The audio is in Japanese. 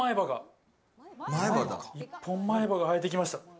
一本前歯が生えてきました。